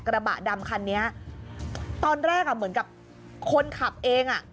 กระบะดำคันนี้ตอนแรกอ่ะเหมือนกับคนขับเองอ่ะ